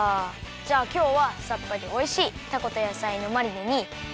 じゃあきょうはさっぱりおいしいたことやさいのマリネにきまり！